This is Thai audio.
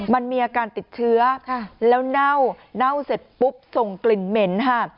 มันมีอาการติดเชื้อแล้วเน่าเน่าเสร็จปุ๊บส่งกลิ่นเหม็นค่ะ